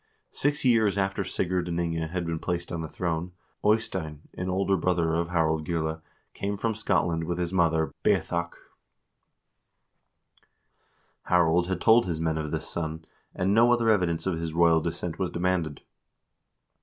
Six years after Sigurd and Inge had been placed on the throne, Eystein, an older son of Harald Gille, came from Scotland with his mother, Beathach. Harald had told his men of this son, and no other evidence of his royal descent was demanded.